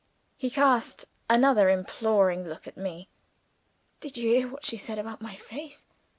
He cast another imploring look at me. "Did you hear what she said about my face?"